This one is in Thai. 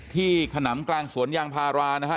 ที่ขนำกลางสวนยางพารานะครับ